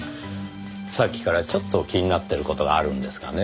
さっきからちょっと気になってる事があるんですがね。